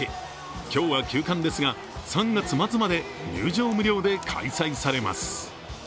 今日は休館ですが、３月末まで入場無料で開催されます。